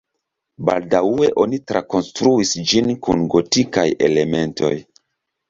Baldaŭe oni trakonstruis ĝin kun gotikaj elementoj.